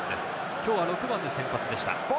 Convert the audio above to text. きょうは６番で先発でした。